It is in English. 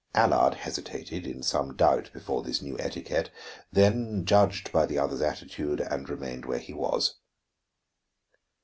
Allard hesitated, in some doubt before this new etiquette, then judged by the others' attitude and remained where he was.